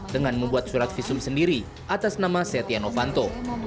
dengan membuat surat visum sendiri atas nama setia novanto